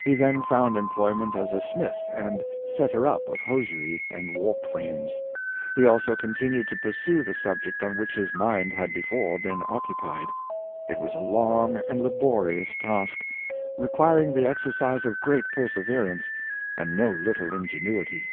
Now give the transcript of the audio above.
He there found employment as a smith and " setter up" of hosiery and warp frames. He also continued to pur sue the subject on which his mind had before been oc cupied. It was a long and laborious task, requiring the exercise of great perseverance and no little ingenuity.